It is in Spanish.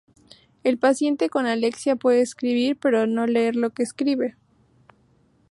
El paciente con alexia puede escribir, pero no leer lo que escribe.